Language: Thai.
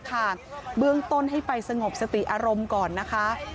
เบื้องต้นให้ไปสงบสติอารมณ์ก่อนนะคะ